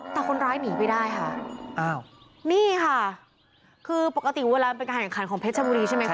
แต่คนร้ายหนีไปได้ค่ะอ้าวนี่ค่ะคือปกติเวลามันเป็นการแข่งขันของเพชรชบุรีใช่ไหมคะ